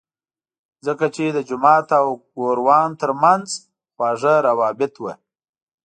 ځکه چې د جومات او ګوروان ترمنځ خواږه روابط وو.